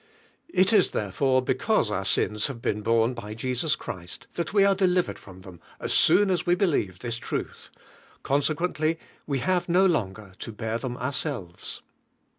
It is therefore, because our sins have been borne by Jesus Christ, that we ate delivered from them as soon as we believe Ibis truth; consequently we have no longer to bear them ourselves.